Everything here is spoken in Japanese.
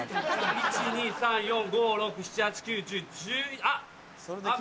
１・２・３・４・５・６・７・８９・１０・１１あっ。